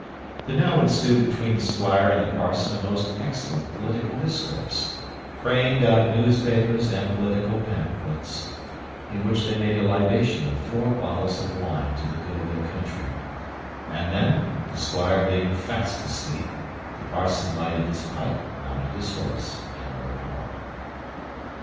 There now ensued between the squire and the parson a most excellent political discourse, framed out of newspapers and political pamphlets; in which they made a libation of four bottles of wine to the good of their country: and then, the squire being fast asleep, the parson lighted his pipe, mounted his horse, and rode home.